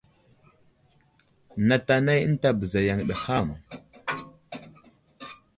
Nat anay ənta bəza yaŋ ham.